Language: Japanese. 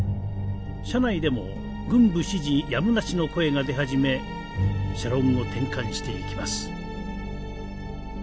社内でも軍部支持やむなしの声が出始め社論を転換していきます。